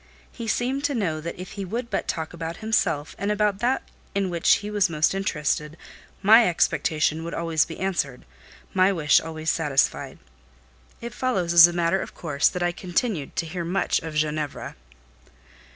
He seemed to know that if he would but talk about himself, and about that in which he was most interested, my expectation would always be answered, my wish always satisfied. It follows, as a matter of course, that I continued to hear much of "Ginevra."